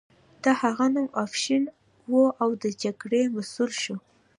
د هغه نوم افشین و او د جګړې مسؤل شو.